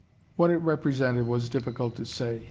What it represented it was difficult to say.